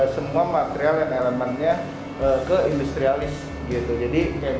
semua material yang ada di dalamnya jadi kita menggunakan semua material yang ada di dalamnya